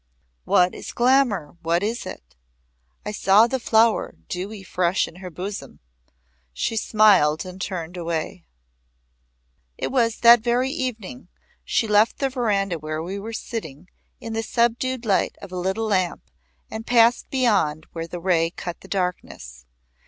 Was it glamour? What was it? I saw the flower dewy fresh in her bosom She smiled and turned away. It was that very evening she left the veranda where we were sitting in the subdued light of a little lamp and passed beyond where the ray cut the darkness.